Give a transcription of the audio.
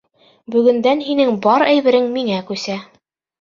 Бөгөндән һинең бар әйберең миңә күсә.